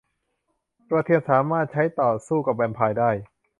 กระเทียมสามารถใช้ต่อสู้กับแวมไพร์ได้